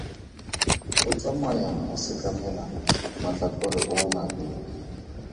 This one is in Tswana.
O tsamaya a sekamela matlhakore oomabedi.